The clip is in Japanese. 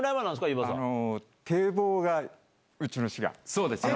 そうですよね。